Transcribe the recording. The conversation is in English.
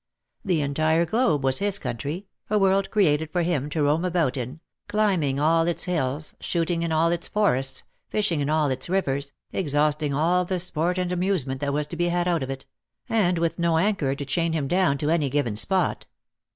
The entire globe was his country, a, world created for him to roam about in, climbing all its hills, shooting in all its forests, fishiug in all its rivers, exhausting all the sport and amusement that was to be had out of it — and with no anchor to €hain him down to any given spot.